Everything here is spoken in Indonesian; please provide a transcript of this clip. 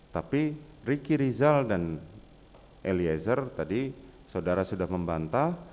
tapi riki rizal dan eliezer tadi saudara sudah membantah